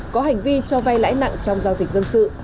có hành vi cho vay lãi nặng trong giao dịch dân sự